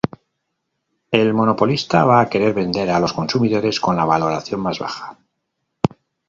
El monopolista va a querer vender a los consumidores con la valoración más baja.